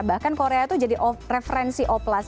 bahkan korea itu jadi referensi oplas